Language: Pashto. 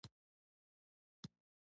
کرنه د صبر او زغم هنر دی.